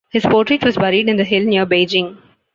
His portrait was buried in the hill near Beijing.